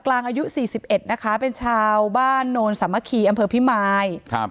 กลางอายุ๔๑นะคะเป็นชาวบ้านโนนสัมมคีย์อำเภอพิมาย